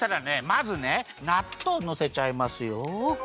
まずねなっとうのせちゃいますよ。